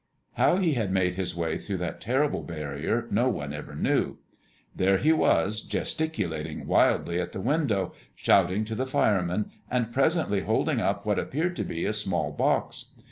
How he had made his way through that terrible barrier, no one ever knew. There he was, gesticulating wildly at the window, shouting to the firemen, and presently holding up what appeared to be a small box.